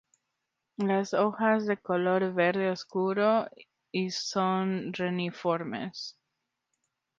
Las hojas de color verde oscuro y son reniformes.